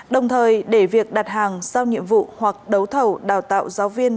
đồng thời để việc đặt hàng sao nhiệm vụ hoặc đấu thầu đào tạo giáo viên